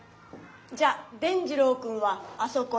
じゃ伝じろうくんはあそこへ。